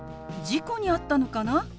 事故に遭ったのかな？